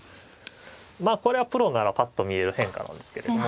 まあこれはプロならぱっと見える変化なんですけれども。